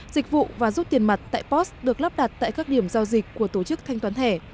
dịch vụ và rút tiền mặt tại post được lắp đặt tại các điểm giao dịch của tổ chức thanh toán thẻ